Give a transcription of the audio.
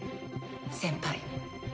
先輩。